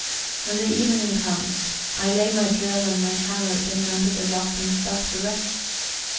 And the evening comes; I lay my drill and my hammer in under the rock and stop to rest.